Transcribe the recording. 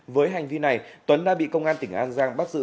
với hành vi này tuấn đã bị công an tỉnh an giang bắt giữ